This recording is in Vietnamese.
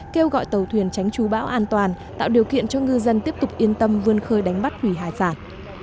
kêu gọi tàu thuyền tránh trú bão an toàn tạo điều kiện cho ngư dân tiếp tục yên tâm vươn khơi đánh bắt quỷ hải giản